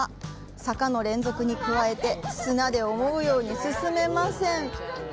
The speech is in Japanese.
坂の連続に加えて砂で思うように進めません。